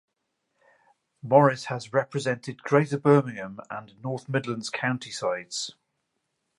Morris has represented Greater Birmingham and North Midlands county sides.